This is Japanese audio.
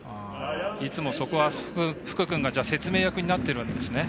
いつも、そこは福くんが説明役になっているんですね。